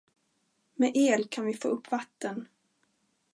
Med el kan vi få upp vatten.